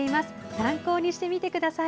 参考にしてください。